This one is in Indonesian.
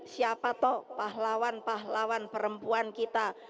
siapa toh pahlawan pahlawan perempuan kita